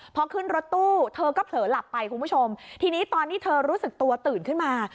พอขึ้นรถตู้เธอก็เผลอหลับไปคุณผู้ชมทีนี้ตอนที่เธอรู้สึกตัวตื่นขึ้นมา